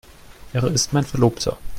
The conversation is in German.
Er ist mein Verlobter.